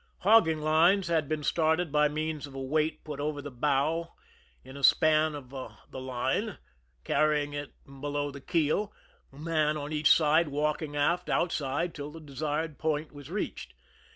Hogging lines had been started by means of a weight put over the bow in a span of the line, carrying it beloTi^ the keel, a man on each side walk ing aft outside lill the desired point was reached.